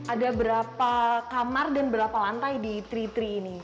ada berapa kamar dan berapa lantai di tri tri ini